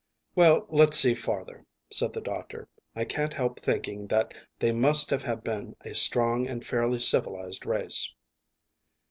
"Well, let's see farther," said the doctor. "I can't help thinking that they must have been a strong and fairly civilised race."